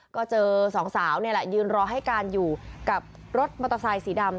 ก็เจอสองสาวนี่แหละยืนรอให้การอยู่กับรถมอเตอร์ไซค์สีดำ